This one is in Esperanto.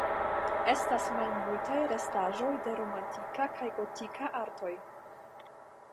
Estas malmultaj restaĵoj de romanika kaj gotika artoj.